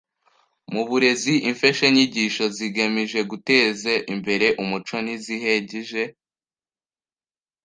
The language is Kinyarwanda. Mu burezi, imfeshenyigisho zigemije guteze imbere umuco ntizihegije.